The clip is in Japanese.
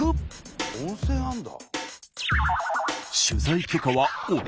温泉あるんだ。